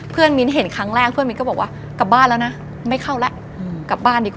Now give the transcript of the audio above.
มิ้นเห็นครั้งแรกเพื่อนมิ้นก็บอกว่ากลับบ้านแล้วนะไม่เข้าแล้วกลับบ้านดีกว่า